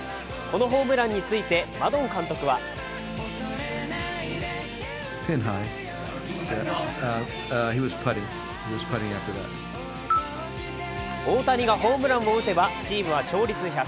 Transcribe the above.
このホームランについてマドン監督は大谷がホームランを打てばチームは勝率１００％。